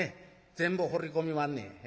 全部放り込みまんねん。